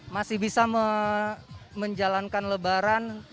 masih bisa menjalankan lebaran